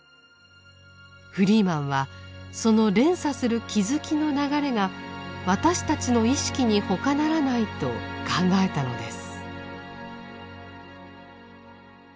フリーマンはその連鎖する「気づき」の流れが私たちの意識に他ならないと考えたのです。